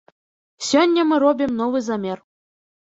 Сёння мы робім новы замер.